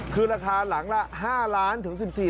คือราคาหลังละ๕ล้านถึง๑๔บาท